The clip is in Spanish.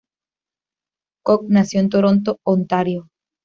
Cox nació en Toronto, Ontario.